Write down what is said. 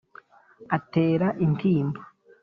Atera intimba